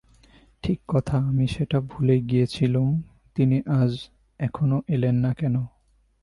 ঠিক কথা, আমি সেটা ভুলেই গিয়েছিলুম, তিনি আজ এখনো এলেন না কেন?